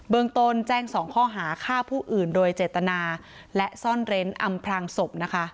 เมืองต้นแจ้ง๒ข้อหาฆ่าผู้อื่นโดยเจตนาและซ่อนเร้นอำพลางศพนะคะ